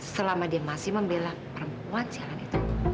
selama dia masih membela perempuan si anak itu